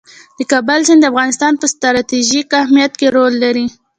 د کابل سیند د افغانستان په ستراتیژیک اهمیت کې رول لري.